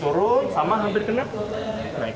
turun sama hampir kena